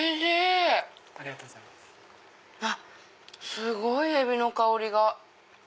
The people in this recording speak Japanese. すごいエビの香りが。